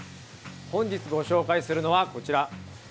本日ご紹介するのはこちら。